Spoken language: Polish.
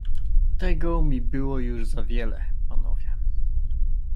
"Tego mi było już za wiele, panowie!"